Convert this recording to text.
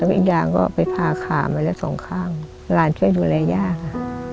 อีกอย่างก็ไปผ่าขามาแล้วสองข้างหลานช่วยดูแลย่าค่ะ